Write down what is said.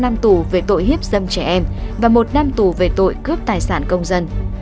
một mươi năm năm tù về tội hiếp dâm trẻ em và một năm tù về tội cướp tài sản công dân